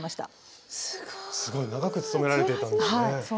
すごい長く勤められていたんですね。